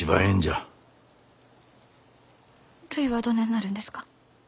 ・るいはどねんなるんですか？